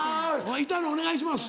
板野お願いします。